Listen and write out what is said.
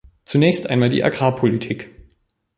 Zunächst einmal die Agrarpolitik.